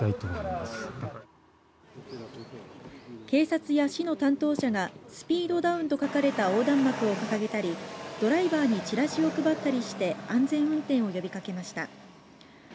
警察や市の担当者がスピードダウンと書かれた横断幕を掲げたりドライバーにチラシを配ったりして安全運転を呼びかけました。